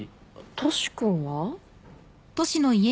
トシ君は？